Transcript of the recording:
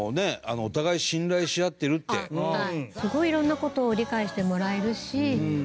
すごい色んな事を理解してもらえるし話し合える。